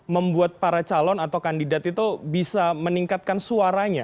membuat para calon atau kandidat itu bisa meningkatkan suaranya